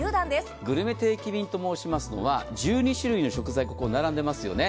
グルメ定期便と申しますのは１２種類の食材が並んでますよね。